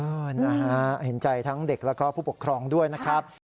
นะฮะเห็นใจทั้งเด็กแล้วก็ผู้ปกครองด้วยนะครับ